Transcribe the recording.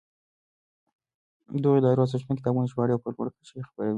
دغو ادارو ارزښتمن کتابونه ژباړي او په لوړه کچه یې خپروي.